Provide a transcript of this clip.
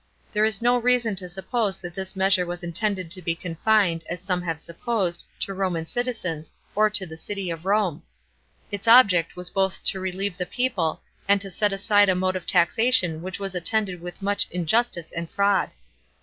There is no reason to suppose that this measure was intended to be confined, as some have supposed, to Roman citizens, or to the city of Rome. Its object was both to relieve the people and to set aside a mode of taxation which was attended with much injustice and fraud.